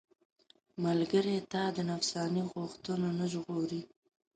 ملګری تا د نفساني غوښتنو نه ژغوري.